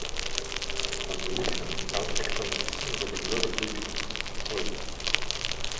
Claudio Lisias al excelentísimo gobernador Félix: Salud.